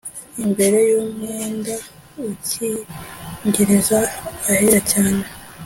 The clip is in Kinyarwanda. imbere y umwenda ukingiriza ahera cyane